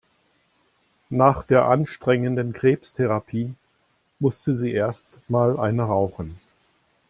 Nach der anstrengenden Krebstherapie musste sie erst mal eine rauchen.